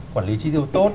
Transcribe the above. quản lý chi tiêu tốt